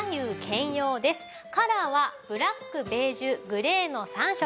カラーはブラックベージュグレーの３色。